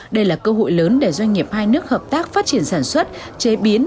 đây là cơ hội lớn để doanh nghiệp hai nước hợp tác phát triển sản xuất chế biến